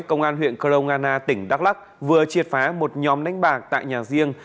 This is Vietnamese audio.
công an huyện kronana tỉnh đắk lắk vừa triệt phá một nhóm đánh bạc tại nhà riêng